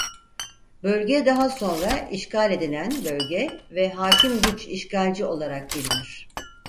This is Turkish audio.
Bölge daha sonra "işgal edilen" bölge ve hakim güç "işgalci" olarak bilinir.